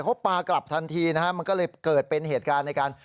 เขาปลากลับทันทีนะฮะมันก็เลยเกิดเป็นเหตุการณ์ในการ